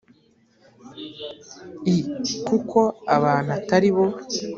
l kuko abantu atari bo